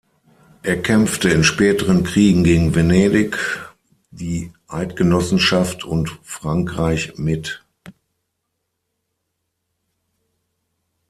Er kämpfte in späteren Kriegen gegen Venedig, die Eidgenossenschaft und Frankreich mit.